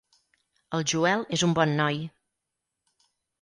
El Joel és un bon noi.